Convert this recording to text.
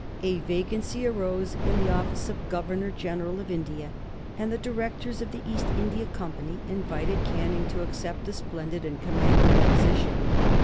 A vacancy arose in the office of Governor General of India, and the directors of the East India Company invited Canning to accept the splendid and commanding position.